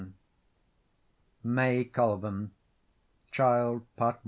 MAY COLVEN (Child, Part I.